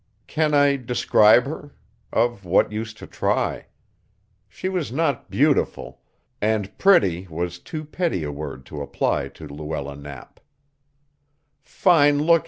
Can I describe her? Of what use to try? She was not beautiful, and "pretty" was too petty a word to apply to Luella Knapp.